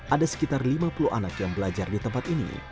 ada sekitar lima puluh anak yang belajar di tempat ini